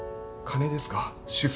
何ですか！？